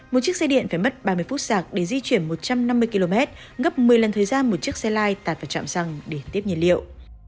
một chiếc xe điện phải mất ba mươi phút sạc để di chuyển một trăm năm mươi km ngấp một mươi lần thời gian một chiếc xe lai tạt vào chạm xăng để tiếp nhiên liệu